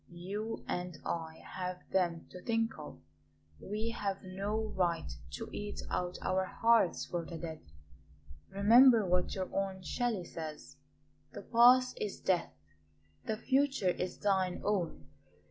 You and I have them to think of, we have no right to eat out our hearts for the dead. Remember what your own Shelley says: 'The past is Death's, the future is thine own.'